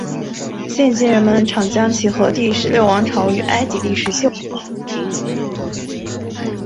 现今人们常将其和第十六王朝与埃及第十七王朝谈论在一起。